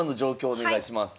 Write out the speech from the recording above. お願いします。